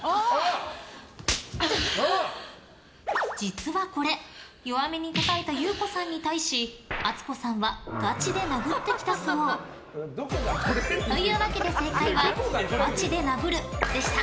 実は、これ弱めにたたいたゆう子さんに対し温子さんはガチで殴ってきたそう。というわけで、正解はガチで殴るでした。